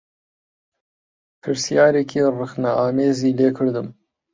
پرسیارێکی ڕخنەئامێزی لێ کردم